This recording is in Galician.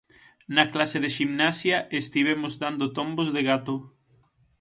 Na clase de ximnasia estivemos dando tombos de gato.